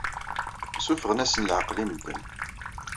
Ssuffɣen-asen leɛqel i medden.